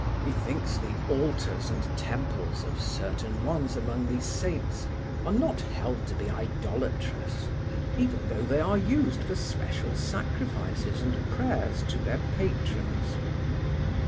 Methinks the altars and temples of certain ones among these saints are not held to be idolatrous even though they are used for special sacrifices and prayers to their patrons.